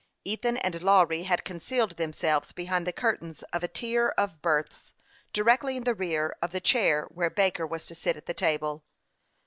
Ethan and Lawry had concealed themselves be hind the curtains of a tier of berths, directly in the rear of the chair where Baker was to sit at the table.